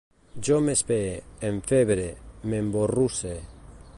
Jo m'espee, enfebre, m'emborrusse